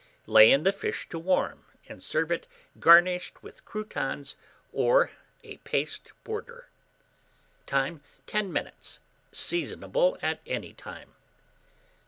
Lay in the fish to warm, and serve it garnished with croutons or a paste border. Time. 10 minutes. Seasonable at any time.